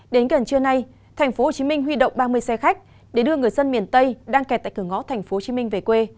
đến gần trưa nay tp hcm huy động ba mươi xe khách để đưa người dân miền tây đang kẹt tại cửa ngõ tp hcm về quê